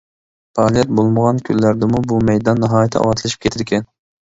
پائالىيەت بولمىغان كۈنلەردىمۇ بۇ مەيدان ناھايىتى ئاۋاتلىشىپ كېتىدىكەن.